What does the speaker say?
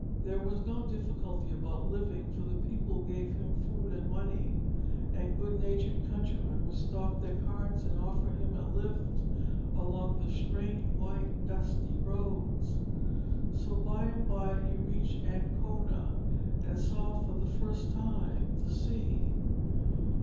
There was no difficulty about living, for the people gave him food and money, and good natured countrymen would stop their carts and offer him a lift along the straight white dusty roads. So by and by he reached Ancona and saw for the first time the sea.